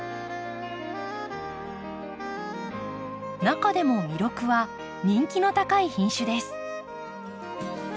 中でもミロクは人気の高い品種です。